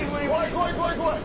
怖い怖い怖い。